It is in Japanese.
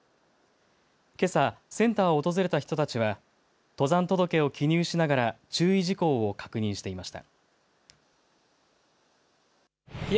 けさセンターを訪れた人たちは登山届を記入しながら注意事項を確認していました。